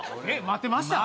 待ってました？